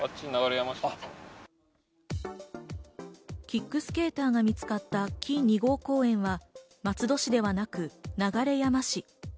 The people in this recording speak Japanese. キックスケーターが見つかった木２号公園は、松戸市ではなく流山市。